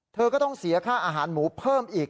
เธอก็ต้องเสียค่าอาหารหมูเพิ่มอีก